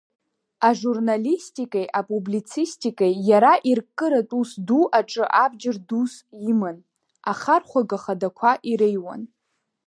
Ажурналистикеи апублицистикеи иара ирккыратә ус ду аҿы абџьар дус иман, ахархәага хадақәа иреиуан.